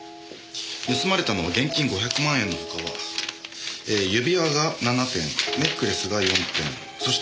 盗まれたのは現金５００万円のほかは指輪が７点ネックレスが４点そしてオルゴールでしたね。